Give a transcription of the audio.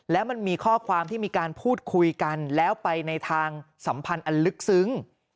แล้วมันมีข้อความที่มีการพูดคุยกันแล้วไปในทางสัมพันธ์อันลึกซึ้ง